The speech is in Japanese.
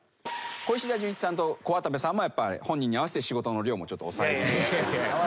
小石田純一さんと小渡部さんも本人に合わせて仕事の量もちょっと抑え気味に。